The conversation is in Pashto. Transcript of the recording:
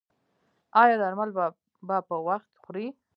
ایا درمل به په وخت خورئ؟